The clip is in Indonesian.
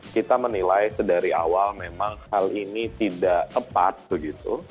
kita menilai sedari awal memang hal ini tidak tepat begitu